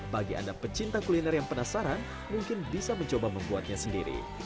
bagi anda pecinta kuliner yang penasaran mungkin bisa mencoba membuatnya sendiri